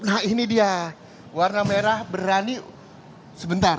nah ini dia warna merah berani sebentar